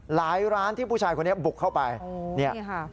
หลายร้านที่ผู้ชายคนนี้บุกเข้าไป